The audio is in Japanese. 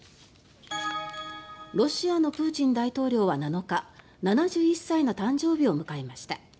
ロシアのプーチン大統領は７日７１歳の誕生日を迎えました。